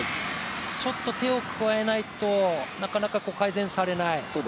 ちょっと手を加えないと、なかなか改善されない。